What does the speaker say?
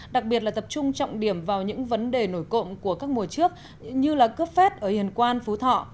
đặc biệt là tập trung trọng điểm vào những vấn đề nổi cộng của các mùa trước như là cướp phết ở hiền quan phú thọ